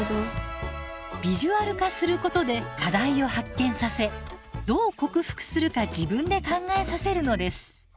ビジュアル化することで課題を発見させどう克服するか自分で考えさせるのです。